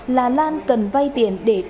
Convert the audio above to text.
là lan cần vay tiền để xử bị cáo hờ bích niê